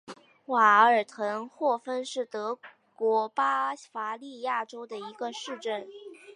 瓦尔滕霍芬是德国巴伐利亚州的一个市镇。